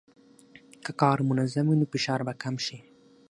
که کار منظم وي، نو فشار به کم شي.